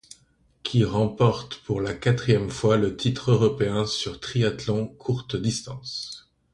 Qui remporte pour la quatrième fois le titre européen sur triathlon courte distance.